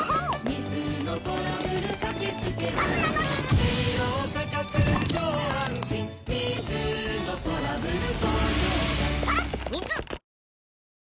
水のトラブル